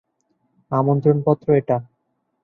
আমন্ত্রণপত্র এটা।